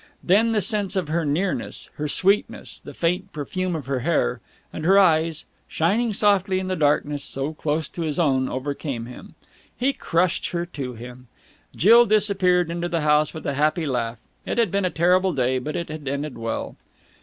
Then the sense of her nearness, her sweetness, the faint perfume of her hair, and her eyes, shining softly in the darkness so close to his own, overcame him. He crushed her to him. Jill disappeared into the house with a happy laugh. It had been a terrible day, but it had ended well.